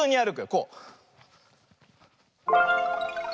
こう。